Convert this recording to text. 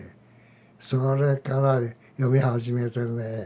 それから読み始めてね。